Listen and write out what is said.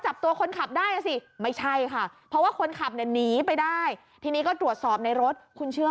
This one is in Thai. จับตัวคนขับได้อ่ะสิไม่ใช่ค่ะเพราะว่าคนขับเนี่ยหนีไปได้ทีนี้ก็ตรวจสอบในรถคุณเชื่อ